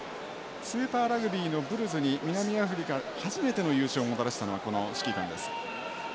スーパーラグビーのブルズに南アフリカ初めての優勝をもたらしたのはこの指揮官です。